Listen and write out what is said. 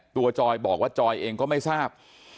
จอยบอกว่าจอยเองก็ไม่ทราบ